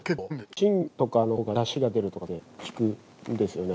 芯とかのほうがダシが出るとかって聞くんですよね。